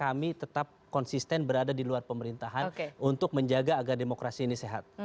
kami tetap konsisten berada di luar pemerintahan untuk menjaga agar demokrasi ini sehat